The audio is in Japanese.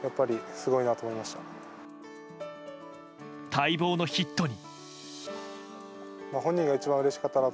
待望のヒットに。